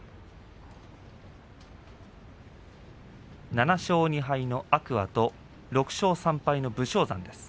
７勝２敗の天空海と６勝３敗の武将山。